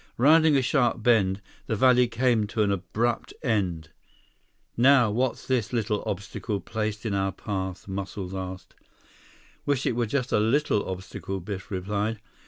Rounding a sharp bend, the valley came to an abrupt end. "Now what's this little obstacle placed in our path?" Muscles asked. "Wish it were just a little obstacle," Biff replied.